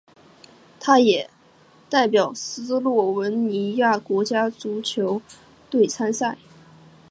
他也代表斯洛文尼亚国家足球队参赛。